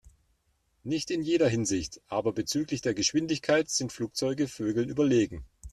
Nicht in jeder Hinsicht, aber bezüglich der Geschwindigkeit sind Flugzeuge Vögeln überlegen.